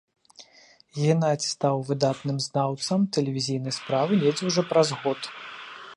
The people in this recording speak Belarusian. Генадзь стаў выдатным знаўцам тэлевізійнай справы недзе ўжо праз год.